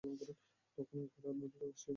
এবং তখনই গোরা ঘরের মধ্যে আসিয়া প্রবেশ করিল।